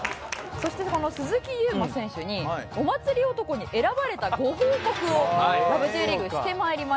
そしてこの鈴木優磨選手にお祭り男に選ばれたご報告を『ラブ！！Ｊリーグ』して参りました。